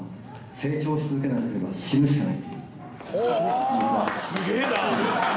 「成長しなければ死ぬしかない」。